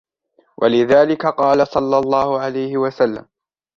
وَلِذَلِكَ قَالَ صَلَّى اللَّهُ عَلَيْهِ وَسَلَّمَ